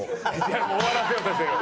終わらせようとしてる。